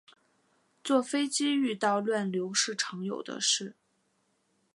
坐飞机遇到乱流是常有的事